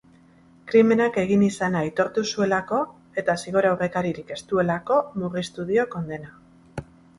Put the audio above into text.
Krimenak egin izana aitortu zuelako eta zigor aurrekaririk ez duelako murriztu dio kondena.